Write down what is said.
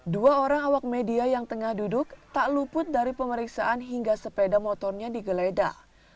dua orang awak media yang tengah duduk tak luput dari pemeriksaan hingga sepeda motornya digeledah